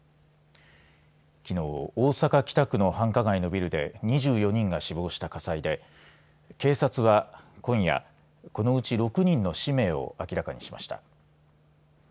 きのう、大阪・北区の繁華街のビルで２４人が死亡した火災で警察は今夜このうち６人の氏名を明らかにしました。